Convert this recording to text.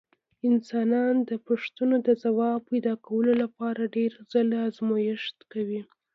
انسانان د پوښتنو د ځواب پیدا کولو لپاره ډېر ځله ازمېښت کوي.